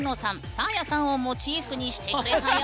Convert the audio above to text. サーヤさんをモチーフにしてくれたよ。